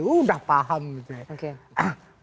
sudah paham gitu ya